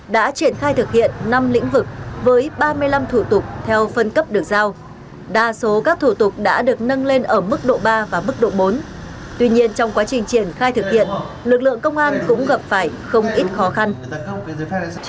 đã triển khai thực hiện năm lĩnh vực với ba mươi năm thủ tục theo phân cấp được giao đa số các thủ tục đã được nâng lên ở mức độ ba và mức độ bốn tuy nhiên trong quá trình triển khai thực hiện lực lượng công an cũng gặp phải không ít khó khăn